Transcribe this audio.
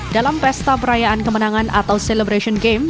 dalam pesta perayaan kemenangan atau celebration game